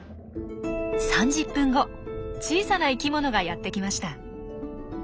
３０分後小さな生きものがやってきました。